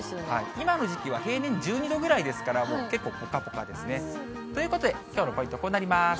今の時期は平年１２度ぐらいですから、結構ぽかぽかですね。ということで、きょうのポイント、こうなります。